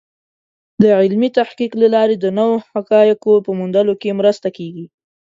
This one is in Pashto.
د علمي تحقیق له لارې د نوو حقایقو په موندلو کې مرسته کېږي.